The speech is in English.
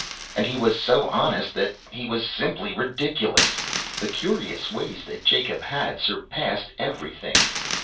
And he was so honest that he was simply ridiculous. The curious ways that that Jacob had, surpassed everything.